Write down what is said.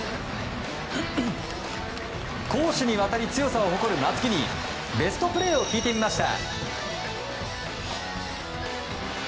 攻守にわたり強さを誇る松木にベストプレーを聞いてみました。